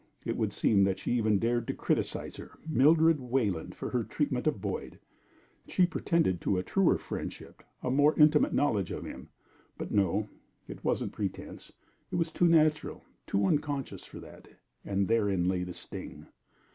It would seem that she even dared to criticise her, Mildred Wayland, for her treatment of Boyd. She pretended to a truer friendship, a more intimate knowledge of him. But no it wasn't pretense. It was too natural, too unconscious, for that; and therein lay the sting.